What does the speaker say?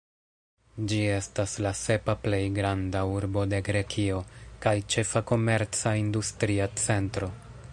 Ĝi estas la sepa plej granda urbo de Grekio kaj ĉefa komerca-industria centro.